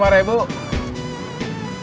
makasih ya bang